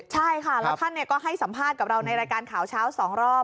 ใช่ค่ะแล้วท่านก็ให้สัมภาษณ์กับเราในรายการข่าวเช้า๒รอบ